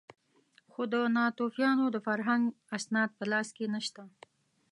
خو د ناتوفیانو د فرهنګ اسناد په لاس کې نه شته.